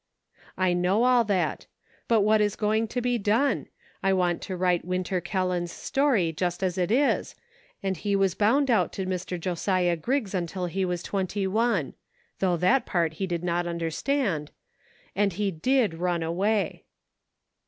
I know all that ; but what is going to be done } I want to write Winter Kelland's story just as it is, and he was bound out to Mr. Josiah Griggs until he was twenty one, — though that part he did not understand, — and he didxMVi away.